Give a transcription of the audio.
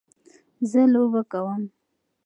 زه لوبه کوم.